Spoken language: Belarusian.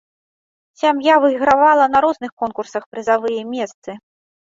Сям'я выйгравала на розных конкурсах прызавыя месцы.